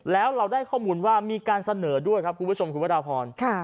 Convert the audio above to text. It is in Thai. แล้วเราได้ข้อมูลว่ามีการเสนอด้วยครับคุณผู้ชมคุณพระราพร